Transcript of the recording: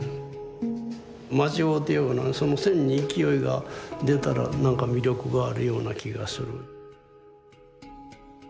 間違うてようがその線に勢いが出たらなんか魅力があるような気がする。